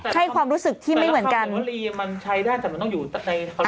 ใช่ความรู้สึกที่ไม่เหมือนกันมันใช้ได้แต่มันต้องอยู่ใน